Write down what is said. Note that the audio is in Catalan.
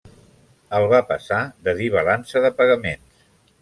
El va passar de dir balança de pagaments.